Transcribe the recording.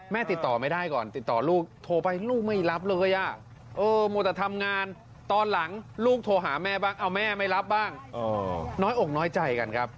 แม่น้อยใจแม่น้อยใจ